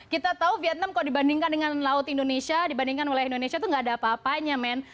kita tahu vietnam kalau dibandingkan dengan laut indonesia dibandingkan wilayah indonesia itu gak ada apa apanya men